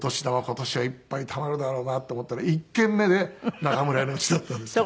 今年はいっぱいたまるだろうなと思ったら１軒目で中村屋の家だったんですね。